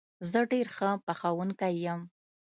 زه ډېر ښه پخوونکی یم